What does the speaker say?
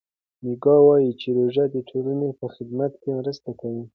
میکا وايي چې روژه د ټولنې په خدمت کې مرسته کوي.